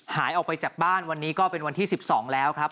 หายออกไปจากบ้านวันนี้ก็เป็นวันที่๑๒แล้วครับ